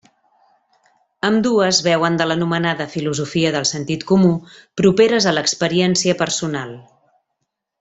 Ambdues beuen de l'anomenada filosofia del sentit comú, properes a l'experiència personal.